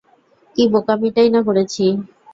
কী বোকামিটাই না করেছি!